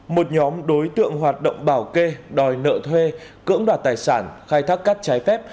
một nhóm đối tượng hoạt động bảo kê đòi nợ thuê cưỡng đoạt tài sản khai thác cát trái phép